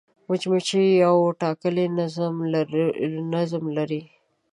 مچمچۍ یو ټاکلی نظم لري